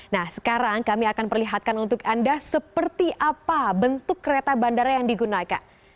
nah sekarang kami akan perlihatkan untuk anda seperti apa bentuk kereta bandara yang digunakan